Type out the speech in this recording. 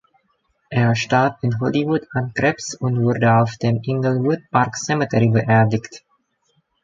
Er starb in Hollywood an Krebs und wurde auf dem Inglewood Park Cemetery beerdigt.